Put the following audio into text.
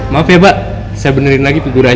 maaf ya mbak saya benerin lagi penggunaan